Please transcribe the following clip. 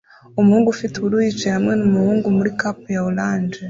Umuhungu ufite ubururu yicaye hamwe numuhungu muri cape ya orange